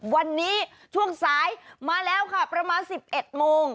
วันนี้ช่วงสายมาแล้วค่ะประมาณ๑๑โมง